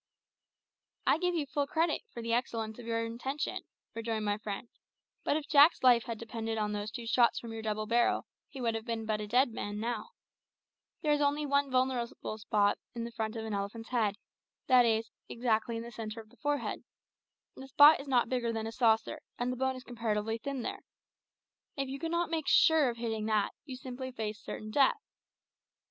"I give you full credit for the excellence of your intention," rejoined my friend; "but if Jack's life had depended on those two shots from your double barrel, he would have been but a dead man now. There is only one vulnerable spot in the front of an elephant's head; that is, exactly in the centre of the forehead. The spot is not bigger than a saucer, and the bone is comparatively thin there. If you cannot make sure of hitting that, you simply face certain death.